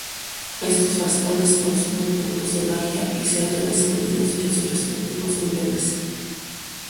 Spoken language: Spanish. Estos bastones consumen puntos de magia y se hallan escondidos en sus respectivos niveles.